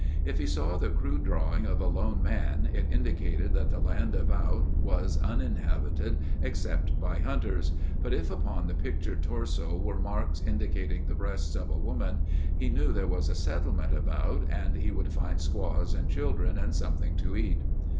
If he saw the crude drawing of a lone man, it indicated that the land about was uninhabited except by hunters, but if upon the pictured torso were marks indicating the breasts of a woman, he knew there was a settlement about and he would find squaws and children and something to eat.